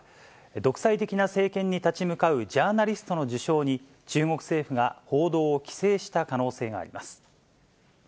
独裁的な政権に立ち向かうジャーナリストの受賞に、中国政府が報道を規制した可能性があります。